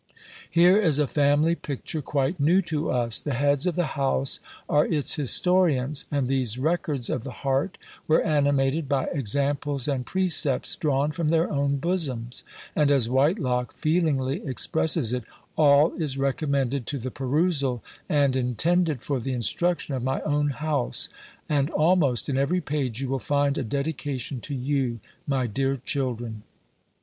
Here is a family picture quite new to us; the heads of the house are its historians, and these records of the heart were animated by examples and precepts, drawn from their own bosoms; and, as Whitelocke feelingly expresses it, "all is recommended to the perusal and intended for the instruction of my own house; and almost in every page you will find a dedication to you, my dear children."